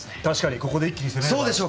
確かにここで一気に攻めれば。